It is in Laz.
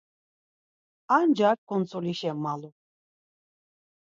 Ancak ǩuntzulişa malu.